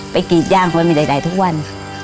ไปขีดยางมันไม่ได้ได้ทุกวัน